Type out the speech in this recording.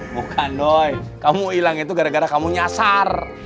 bukan doi kamu ilang itu gara gara kamu nyasar